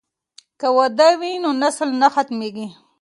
که واده وي نو نسل نه ختمیږي.